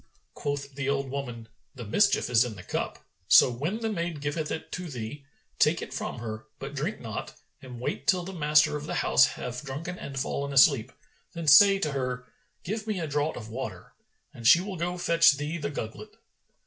Quoth the old woman, "The mischief is in the cup: so, when the maid giveth it to thee, take it from her, but drink not and wait till the master of the house have drunken and fallen asleep; then say to her, 'Give me a draught of water,' and she will go to fetch thee the gugglet.